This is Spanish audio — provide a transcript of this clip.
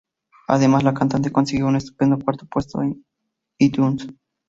Además, la cantante consiguió un estupendo cuarto puesto en iTunes.